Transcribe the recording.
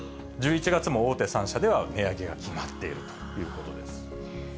１１月も大手３社では値上げが決まっているということです。